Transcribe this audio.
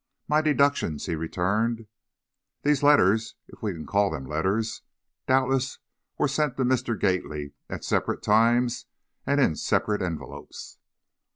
"My deductions," he returned. "These letters, if we can call them letters, doubtless were sent to Mr. Gately at separate times and in separate envelopes."